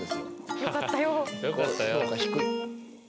よかったよ。